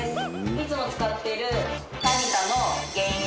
いつも使っている。